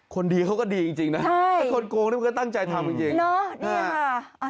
คนดีเขาก็ดีจริงนะถ้าคนโกงนี่มันก็ตั้งใจทำจริง